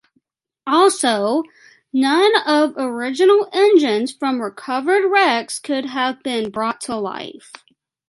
Also, none of original engines from recovered wrecks could have been brought to life.